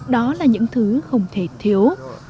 đó là những thứ không thể thiếu